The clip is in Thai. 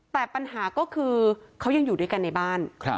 แต่ปัญหาก็คือเขายังอยู่ด้วยกันในบ้าน